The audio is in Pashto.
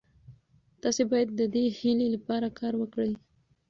تاسي باید د دې هیلې لپاره کار وکړئ.